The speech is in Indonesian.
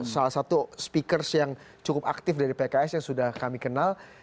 salah satu speakers yang cukup aktif dari pks yang sudah kami kenal